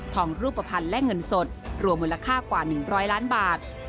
รูปภัณฑ์และเงินสดรวมมูลค่ากว่า๑๐๐ล้านบาท